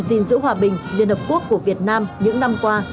gìn giữ hòa bình liên hợp quốc của việt nam những năm qua